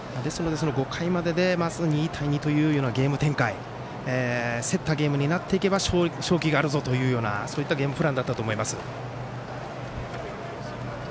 ５回までで２対２というようなゲーム展開競ったゲームになっていけば勝機があるぞというようなゲームプランだったと思います。